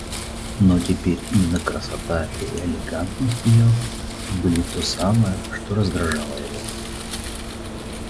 Но теперь именно красота и элегантность ее были то самое, что раздражало его.